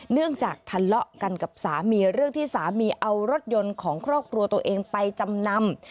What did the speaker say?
เนื่องจากทะเลาะกันกับสามีเรื่องที่สามีเอารถยนต์ของครอบครัวตัวเองไปจำนำ